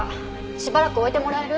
しばらく置いてもらえる？